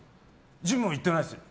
ジム行ってないです。